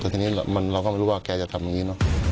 ทีนี้เราก็ไม่รู้ว่าแกจะทำอย่างนี้